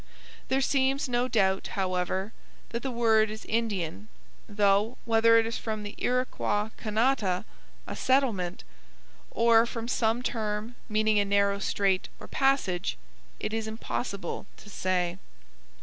There seems no doubt, however, that the word is Indian, though whether it is from the Iroquois Kannata, a settlement, or from some term meaning a narrow strait or passage, it is impossible to say.